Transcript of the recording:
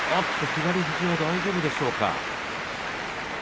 左肘は大丈夫でしょうか？